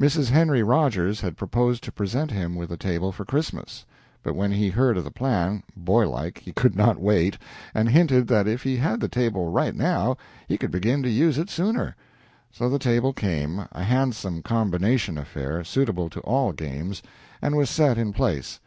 Mrs. Henry Rogers had proposed to present him with a table for Christmas, but when he heard of the plan, boylike, he could not wait, and hinted that if he had the table "right now" he could begin to use it sooner. So the table came a handsome combination affair, suitable to all games and was set in place.